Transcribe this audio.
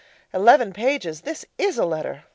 Eleven pages this is a letter!